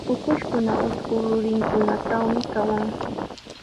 Ukushkuna utrku rurinkunatrawmi kawan.